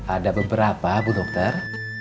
ada beberapa bu dokter